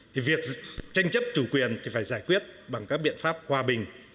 thì việc tranh chấp chủ quyền thì phải giải quyết bằng các biện pháp hòa bình